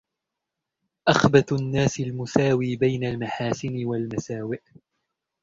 أَخْبَثُ النَّاسِ الْمُسَاوِي بَيْنَ الْمَحَاسِنِ وَالْمَسَاوِئِ